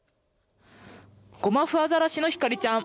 ゴマフアザラシのひかりちゃん。